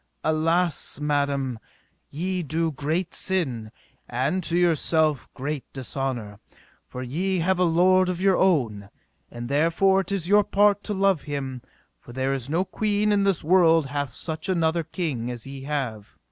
Alas, madam, ye do great sin, and to yourself great dishonour, for ye have a lord of your own, and therefore it is your part to love him; for there is no queen in this world hath such another king as ye have.